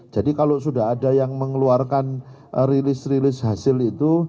jadi kalau sudah ada yang mengeluarkan rilis rilis hasil itu